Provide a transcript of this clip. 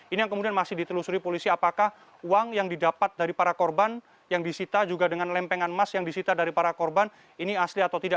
ini yang kemudian masih ditelusuri polisi apakah uang yang didapat dari para korban yang disita juga dengan lempengan emas yang disita dari para korban ini asli atau tidak